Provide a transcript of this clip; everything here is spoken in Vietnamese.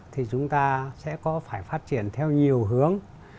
thì chúng ta sẽ có phải phát triển theo nhiều hướng